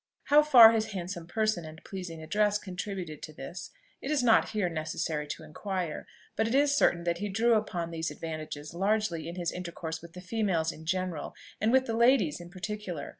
How far his handsome person and pleasing address contributed to this, it is not here necessary to inquire; but it is certain that he drew upon these advantages largely in his intercourse with the females in general, and with the ladies in particular.